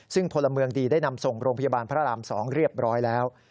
ซึ่งพลเมืองดีได้นำส่งโรงพยาบาลพระราม๒เรียบร้อยแล้ว